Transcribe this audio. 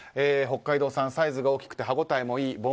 北海道産、サイズが大きくて歯ごたえもいい。